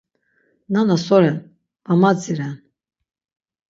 Nana so ren, va madziren.